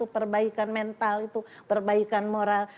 perbaikan mental perbaikan moral